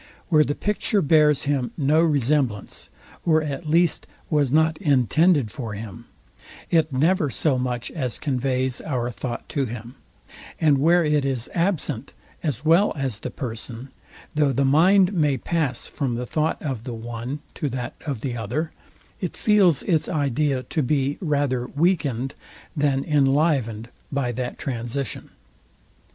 Where the picture bears him no resemblance, or at least was not intended for him, it never so much as conveys our thought to him: And where it is absent, as well as the person; though the mind may pass from the thought of the one to that of the other; it feels its idea to be rather weekend than inlivened by that transition.